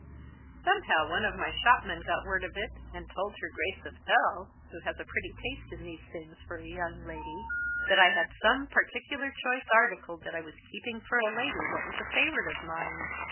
Somehow one of my shopmen got word of it, and told her Grace of L (who has a pretty taste in these things for a young lady) that I had some particular choice article that I was keeping for a lady that was a favourite of mine.